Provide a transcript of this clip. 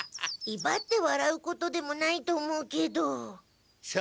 いばって笑うことでもないと思うけど。